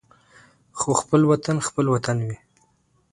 خو خپل وطن خپل وطن وي.